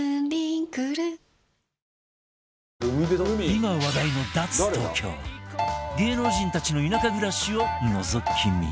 今話題の芸能人たちの田舎暮らしをのぞき見